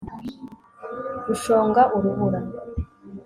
gushonga urubura